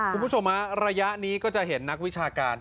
คุณผู้ชมฮะระยะนี้ก็จะเห็นนักวิชาการ